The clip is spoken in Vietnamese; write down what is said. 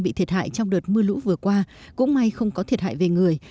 bị thiệt hại trong đợt mưa lũ vừa qua cũng may không có thiệt hại về người